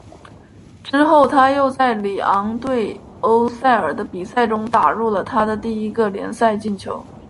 之后他又在里昂对欧塞尔的比赛中打入了他的第一个联赛进球。